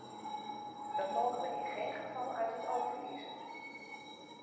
Dat mogen we in geen geval uit het oog verliezen.